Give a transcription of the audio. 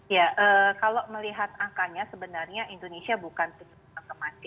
ya kalau melihat angkanya sebenarnya indonesia bukan penyusupan kematian ya buat anak anak tertinggi di dunia ya